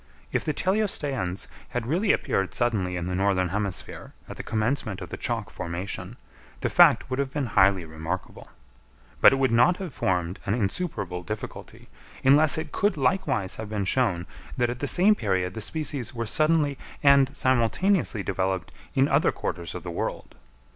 If the teleosteans had really appeared suddenly in the northern hemisphere at the commencement of the chalk formation, the fact would have been highly remarkable; but it would not have formed an insuperable difficulty, unless it could likewise have been shown that at the same period the species were suddenly and simultaneously developed in other quarters of the world.